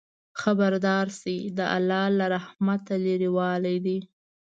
خبردار شئ! د الله له رحمته لرېوالی دی.